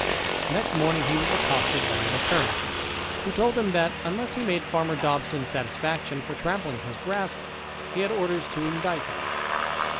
Next morning he was accosted by an attorney, who told him that, unless he made farmer Dobson satisfaction for trampling his grass, he had orders to indict him.